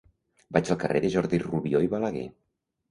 Vaig al carrer de Jordi Rubió i Balaguer.